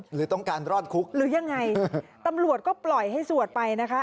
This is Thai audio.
หรือต้องการรอดคุกหรือยังไงตำรวจก็ปล่อยให้สวดไปนะคะ